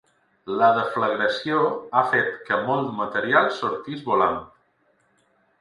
La deflagració ha fet que molt material sortís volant.